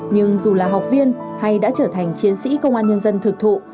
nhưng dù là học viên hay đã trở thành chiến sĩ công an nhân dân thực thụ